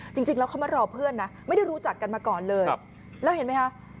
จริงแล้วเขามารอเพื่อนนะไม่ได้รู้จักกันมาก่อนเลยแล้วเห็นไหมคะ